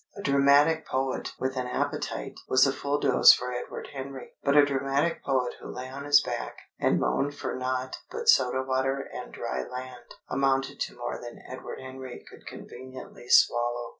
A dramatic poet with an appetite was a full dose for Edward Henry; but a dramatic poet who lay on his back and moaned for naught but soda water and dry land amounted to more than Edward Henry could conveniently swallow.